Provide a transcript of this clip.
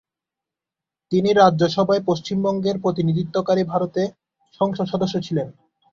তিনি রাজ্যসভায় পশ্চিমবঙ্গের প্রতিনিধিত্বকারী ভারতের সংসদ সদস্য ছিলেন।